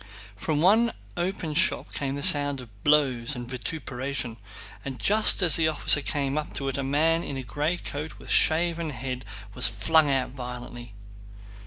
From one open shop came the sound of blows and vituperation, and just as the officer came up to it a man in a gray coat with a shaven head was flung out violently.